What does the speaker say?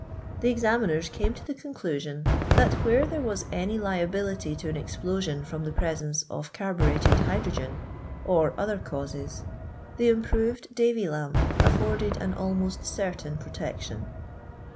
The examiners came to the conclusion that a. B. HATTON, AccoutUanL where there vras any liability to an explosion from the presence of carburetted hydrogen, or other causes, the Improved Davy Lamp i^orded an almost certain protection.